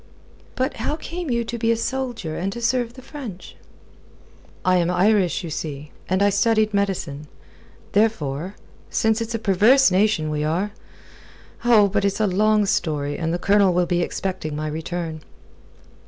"But how came you to be a soldier, and to serve the French?" "I am Irish, you see, and I studied medicine. Therefore since it's a perverse nation we are .... Oh, but it's a long story, and the Colonel will be expecting my return."